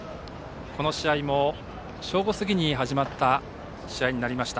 この試合も正午過ぎに始まった試合になりました。